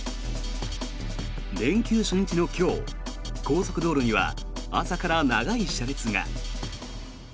連休初日の今日高速道路には朝から長い車列が。